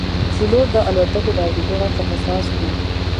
پیلوټ د الوتکې د اورېدو غږ ته حساس وي.